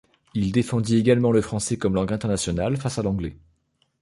Il défendit également le français comme langue internationale, face à l'anglais.